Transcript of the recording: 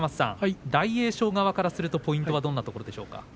大栄翔側からするとポイントはどんなところでしょうか。